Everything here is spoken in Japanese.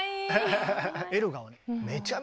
エルガーはね